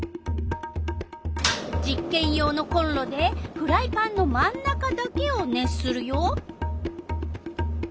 実けん用のコンロでフライパンの真ん中だけを熱するよ。